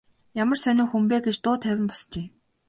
Ямар сонин хүн бэ гэж дуу тавин босжээ.